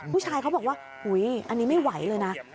ผู้ชายเขาบอกว่าอุ๊ยอันนี้ไม่ไหวเลยนะ